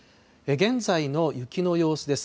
現在の雪の様子です。